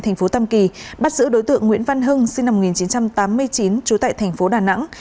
thành phố tam kỳ bắt giữ đối tượng nguyễn văn hưng sinh năm một nghìn chín trăm tám mươi chín trú tại thành phố đà nẵng